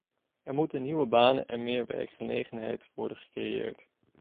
Er moeten nieuwe banen en meer werkgelegenheid worden gecreëerd.